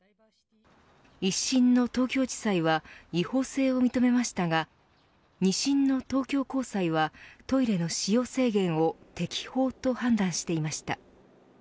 一審の東京地裁は違法性を認めましたが二審の東京高裁はトイレの使用制限を適法と判断していました。